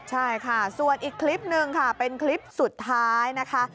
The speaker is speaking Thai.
ใช่ค่ะส่วนอีกคลิปหนึ่งค่ะเป็นคลิปสุดท้ายนะคะ